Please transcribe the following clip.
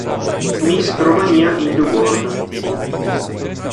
Miss Romania in the World